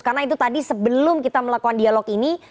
karena itu tadi sebelum kita melakukan dialog ini